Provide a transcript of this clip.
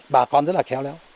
bà con rất là khéo léo